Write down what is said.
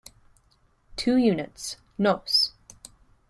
Two units, nos.